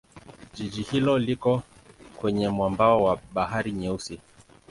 Jiji hilo liko kwenye mwambao wa Bahari Nyeusi.